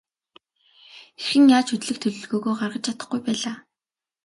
Хэрхэн яаж хөдлөх төлөвлөгөөгөө гаргаж чадахгүй байлаа.